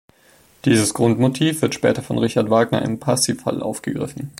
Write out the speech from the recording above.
Dieses Grundmotiv wird später von Richard Wagner im Parsifal aufgegriffen.